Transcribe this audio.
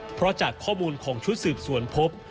เพราะจากข้อมูลของชุดสืบสวนพบ